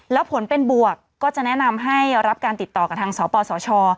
แล้วผลเป็นบวกก็จะแนะนำให้รับการติดต่อกับทางสปสช